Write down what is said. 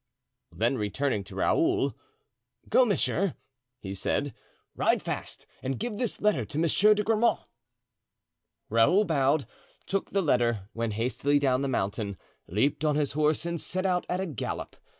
Then, turning toward Raoul: "Go, monsieur," he said; "ride fast and give this letter to Monsieur de Grammont." Raoul bowed, took the letter, went hastily down the mountain, leaped on his horse and set out at a gallop.